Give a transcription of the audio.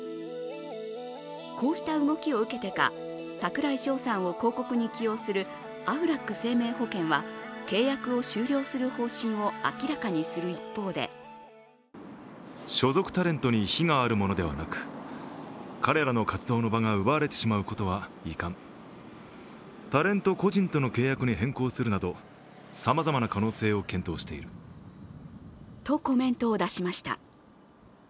こうした動きを受けてか、櫻井翔さんを広告に起用するアフラック生命保険は、契約を終了する方針を明らかにする一方でとコメントを出しました。